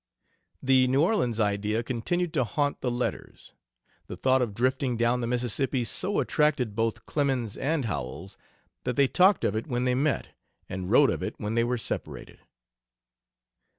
The New Orleans idea continued to haunt the letters. The thought of drifting down the Mississippi so attracted both Clemens and Howells, that they talked of it when they met, and wrote of it when they were separated.